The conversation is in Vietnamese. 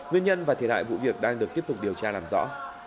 các lực lượng chức năng đã được tiếp tục điều tra làm rõ